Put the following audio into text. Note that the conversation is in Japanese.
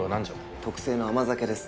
特製の甘酒です。